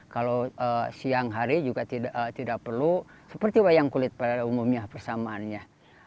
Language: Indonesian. kalau siang hari juga tidak perlu seperti wayang kulit pada umumnya persamaannya